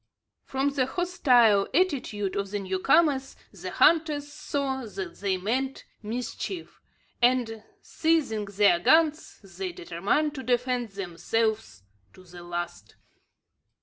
From the hostile attitude of the new comers the hunters saw that they meant mischief; and, seizing their guns, they determined to defend themselves to the last.